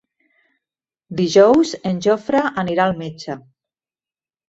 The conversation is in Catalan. Dijous en Jofre anirà al metge.